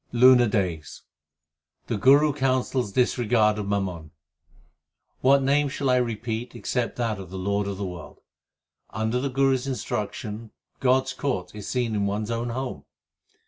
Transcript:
LUNAR DAYS The Guru counsels disregard of mammon : What name shall I repeat except that of the Lord of the world ? Under the Guru s instruction God s court is seen in one s own home.